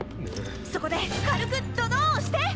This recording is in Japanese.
そこで軽くドドーンして！